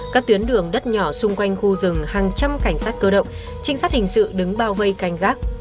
các tuyến đường đất nhỏ xung quanh khu rừng hàng trăm cảnh sát cơ động trinh sát hình sự đứng bao vây canh gác